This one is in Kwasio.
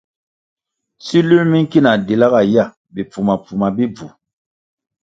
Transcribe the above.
Siluē mi nki na dila nga ya, bipfuma - pfuma bi bvu.